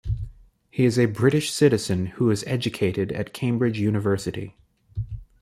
He is a British citizen who was educated at Cambridge University.